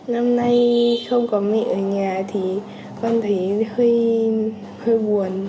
năm nay không có mẹ ở nhà thì con thấy hơi buồn